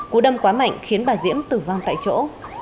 cú đâm quá mạnh khiến bà diễm tử vong tại chỗ